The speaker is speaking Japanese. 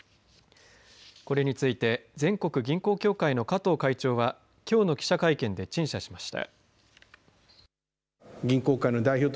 これについて全国銀行協会の加藤会長はきょうの記者会見で陳謝しました。